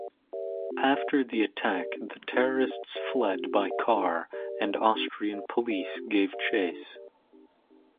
After the attack, the terrorists fled by car, and Austrian police gave chase.